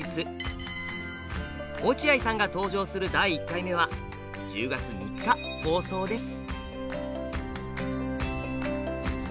落合さんが登場する第１回目は１０月３日放送です。